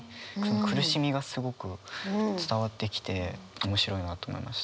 苦しみがすごく伝わってきて面白いなと思いました。